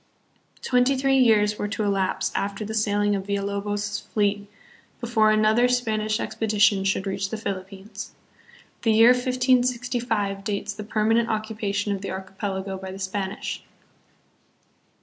119 Twenty three years were to elapse after the sailing of Villulobos' fleet before another Spanish expedition should reach the Philippines. The year 1565 dates the perma nent occupation of the archipelago by the Spanish.